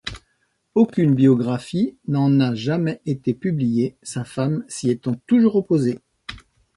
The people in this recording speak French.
Aucune biographie n'en a jamais été publiée, sa femme s'y étant toujours opposée.